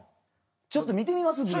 ちょっと見てみます？